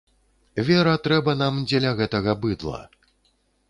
Вера трэба нам дзеля гэтага быдла.